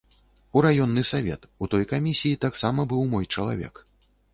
У раённы савет, у той камісіі, таксама быў мой чалавек.